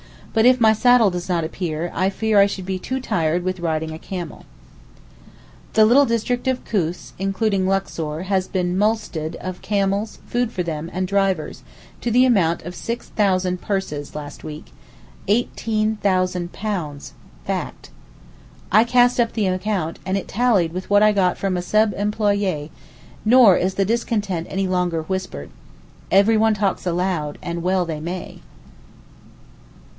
But if my saddle does not appear, I fear I should be too tired with riding a camel. The little district of Koos, including Luxor, has been mulcted of camels, food for them and drivers, to the amount of 6,000 purses—last week—£18,000, fact. I cast up the account, and it tallied with what I got from a sub employé, nor is the discontent any longer whispered. Everyone talks aloud—and well they may.